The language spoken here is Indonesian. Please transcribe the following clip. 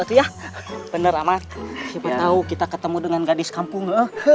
siapa tau kita ketemu dengan gadis kampung